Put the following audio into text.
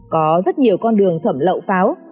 có rất nhiều con đường thẩm lậu pháo